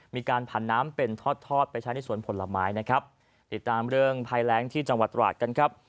ผ่านน้ำเป็นทอดทอดไปใช้ในสวนผลไม้นะครับติดตามเรื่องภัยแรงที่จังหวัดตราดกันครับ